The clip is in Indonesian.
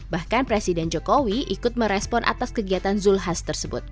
bahkan presiden jokowi ikut merespon atas kegiatan zulhas tersebut